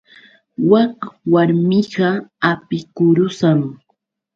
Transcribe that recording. Wak warmiqa apikurusam.